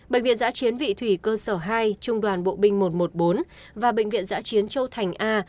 bệnh viện giã chiến vị thủy cơ sở hai trung đoàn bộ binh một trăm một mươi bốn và bệnh viện giã chiến châu thành a